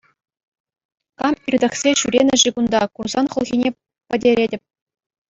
Кам иртӗхсе ҫӳренӗ-ши кунта, курсан хӑлхине пӗтӗретӗп.